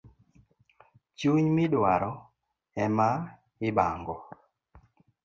Chuny midwaro ema ibango